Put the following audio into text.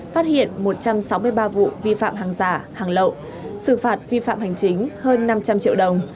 phát hiện một trăm sáu mươi ba vụ vi phạm hàng giả hàng lậu xử phạt vi phạm hành chính hơn năm trăm linh triệu đồng